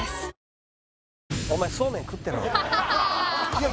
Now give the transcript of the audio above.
いや